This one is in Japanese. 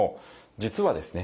実はですね